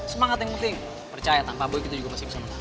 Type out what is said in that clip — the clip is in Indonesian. semangat yang penting percaya tanpa boleh kita juga masih bisa menang